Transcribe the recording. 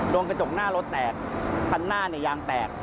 ลงกระจกหน้ารถแตกคันหน้ายางแตก